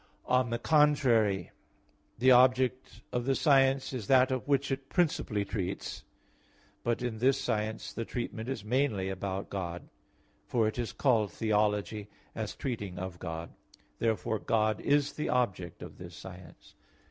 On the contrary, The object of the science is that of which it principally treats. But in this science, the treatment is mainly about God; for it is called theology, as treating of God. Therefore God is the object of this science.